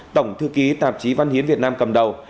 tổng thư ký tạp chí văn hiến việt nam cầm đầu